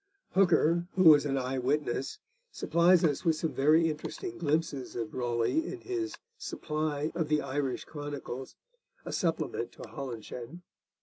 Hooker, who was an eye witness, supplies us with some very interesting glimpses of Raleigh in his Supply of the Irish Chronicles, a supplement to Holinshed.